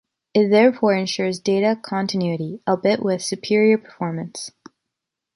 It therefore ensures data continuity, albeit with superior performance.